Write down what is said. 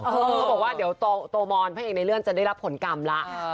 เขาบอกว่าเดี๋ยวโตมอนพระเอกในเลื่อนจะได้รับผลกรรมแล้ว